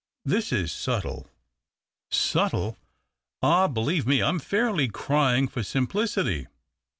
" This is subtle." " Subtle ! Ah, believe me, I am fairly crying for simplicity.